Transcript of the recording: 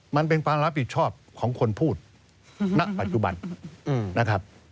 มันเป็นความรับผิดชอบของคนพูดณปัจจุบันนะครับ